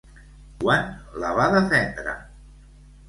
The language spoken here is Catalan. Quan la va defendre?